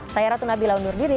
saya ratu nabila undur diri